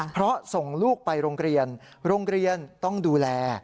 เพราะส่งลูกไปโรงเรียนโรงเรียนต้องดูแล